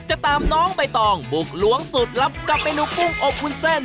จะตามน้องใบตองบุกล้วงสูตรลับกับเมนูกุ้งอบวุ้นเส้น